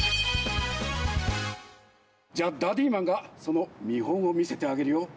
じゃあダディーマンがそのみほんをみせてあげるよ。